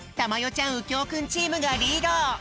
ちゃんうきょうくんチームがリード！